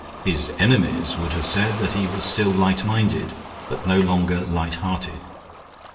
His enemies would have said that he was still light minded, but no longer light hearted.